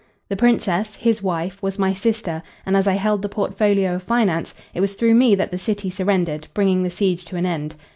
The Princess, his wife, was my sister, and as I held the portfolio of finance, it was through me that the city surrendered, bringing the siege to an end.